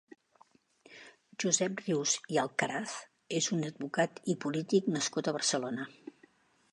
Josep Rius i Alcaraz és un advocat i polític nascut a Barcelona.